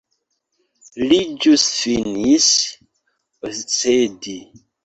Li ĵus finis oscedi.